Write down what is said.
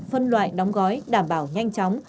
phân loại đóng gói đảm bảo nhanh chóng